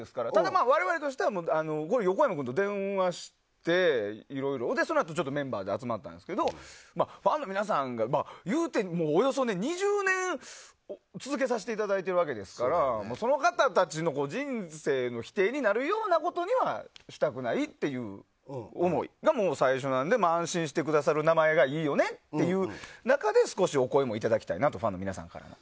ただ我々としては横山君とも電話してそのあとメンバーで集まったんですがファンの皆さん、いうて２０年続けさせていただいているわけですからその方たちの人生の否定になるようなことにはしたくないという思いが最初なので安心してくださる名前がいいよねっていう中で少しお声もいただきたいとファンの皆さんの。